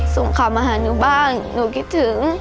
ส่งข่าวมาหาหนูบ้างหนูคิดถึง